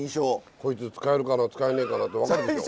こいつ使えるかな使えねえかなって分かるでしょ。